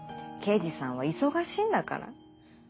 刑事さんは忙しいんだから。